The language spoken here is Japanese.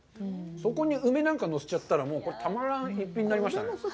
そこに梅なんかのせちゃったら、これ、たまらん一品になりましたね。